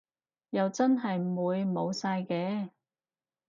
又真係唔會冇晒嘅